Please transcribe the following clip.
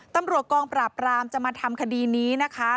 ตำรวจกองปราบรามจะมาทำคดีนี้นะคะ